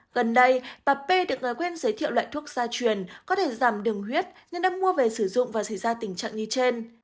gần đây bà p được người quen giới thiệu loại thuốc gia truyền có thể giảm đường huyết nên đã mua về sử dụng và xảy ra tình trạng như trên